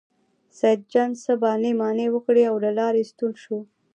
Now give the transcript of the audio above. سیدجان څه بانې مانې وکړې او له لارې ستون شو.